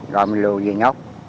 rồi mình lùi về nhốt